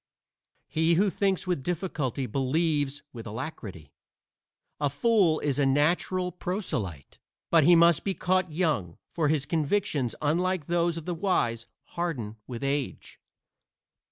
He who thinks with difficulty believes with alacrity. A fool is a natural proselyte, but he must be caught young, for his convictions, unlike those of the wise, harden with age.